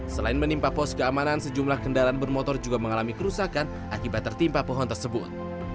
selain menimpa pos keamanan sejumlah kendaraan bermotor juga mengalami kerusakan akibat tertimpa pohon tersebut